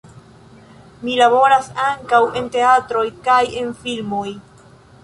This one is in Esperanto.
Li laboras ankaŭ en teatroj kaj en filmoj.